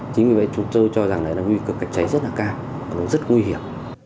chính vì vậy chúng tôi cho rằng là nguy cập cạnh cháy rất là cao rất nguy hiểm